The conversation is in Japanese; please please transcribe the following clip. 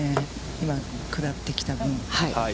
今、下ってきた分。